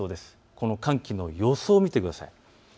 この寒気の予想を見てください。